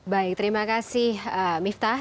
baik terima kasih miftah